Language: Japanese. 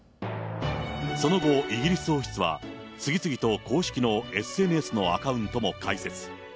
その後、イギリス王室は、次々と公式のＳＮＳのアカウントも開設。